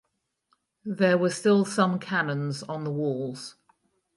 There were still some cannons on the walls.